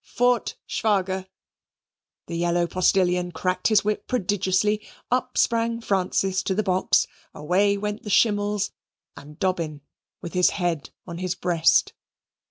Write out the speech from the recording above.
Fort, Schwager! The yellow postilion cracked his whip prodigiously, up sprang Francis to the box, away went the schimmels, and Dobbin with his head on his breast.